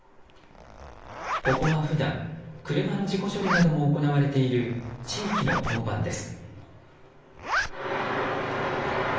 ここは普段、車の事故処理なども行われている地域の交番です。